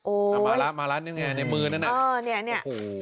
โอ้โหงั้นมาละอยู่ไหนในมือนั่นแหละโอ้โห